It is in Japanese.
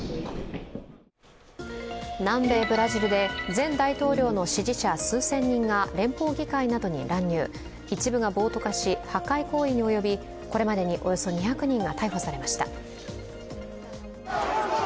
南米ブラジルで前大統領の支持者数千人が連邦議会などに乱入、一部が暴徒化し、破壊行為に及びこれまでに、およそ２００人が逮捕されました。